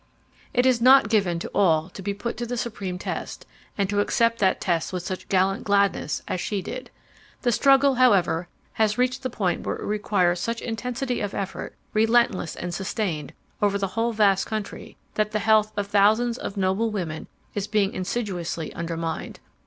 "It is not given to all to be put to the supreme test and to accept that test with such gallant gladness as she did. The struggle, however, has reached the point where it requires such intensity of effort—relentless and sustained—over the whole vast country, that the health of thousands of noble women is being insidiously undermined.